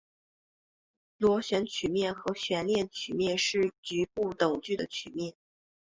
螺旋曲面和悬链曲面是局部等距的曲面。